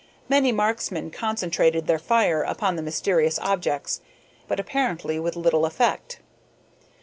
Many marksmen concentrated their fire upon the mysterious objects, but apparently with little effect.